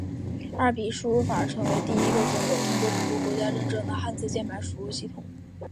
二笔输入法成为第一个通过中国国家认证的汉字键盘输入系统。